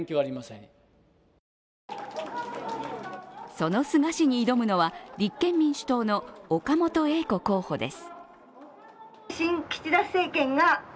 その菅氏に挑むのは立憲民主党の岡本英子候補です。